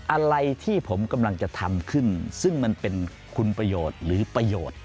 อะไรที่ผมกำลังจะทำขึ้นซึ่งมันเป็นคุณประโยชน์หรือประโยชน์